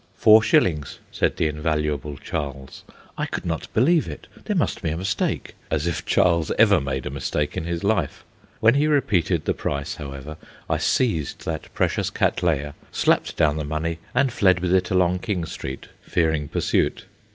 "Four shillings," said the invaluable Charles. I could not believe it there must be a mistake: as if Charles ever made a mistake in his life! When he repeated the price, however, I seized that precious Cattleya, slapped down the money, and fled with it along King Street, fearing pursuit.